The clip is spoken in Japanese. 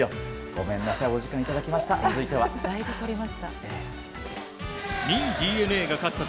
ごめんなさいお時間いただきました。